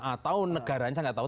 atau negaranya nggak tahu